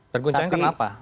tergoncangnya karena apa